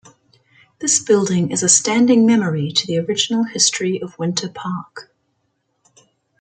This building is a standing memory to the original history of Winter Park.